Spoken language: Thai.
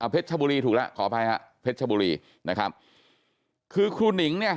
ชบุรีถูกแล้วขออภัยฮะเพชรชบุรีนะครับคือครูหนิงเนี่ย